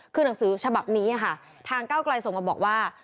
คือหนังสือฉบับนี้ค่ะทางเก้าไกลส่งมาบอกว่า